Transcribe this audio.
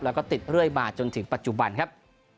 แล้วก็ติดเรื่อยมาจนถึงปัจจุบันครับ